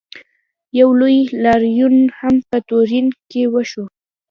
یو لوی لاریون هم په تورین کې وشو.